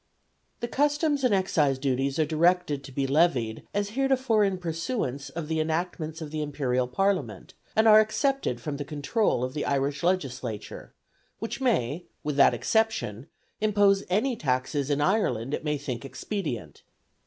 The customs and excise duties are directed to be levied as heretofore in pursuance of the enactments of the Imperial Parliament, and are excepted from the control of the Irish Legislature, which may, with that exception, impose any taxes in Ireland it may think expedient.